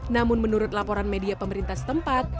namun menurut laporan media pemerintah setempat